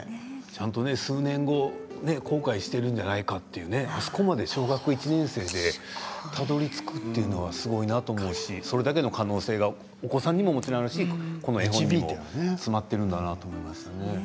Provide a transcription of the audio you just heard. ちゃんと数年後後悔しているんじゃないかというあそこまで小学１年生でたどりつくというのはすごいなと思うしそれだけの可能性がお子さんにももちろんあるしこの絵本にも詰まっているんだなと思いましたね。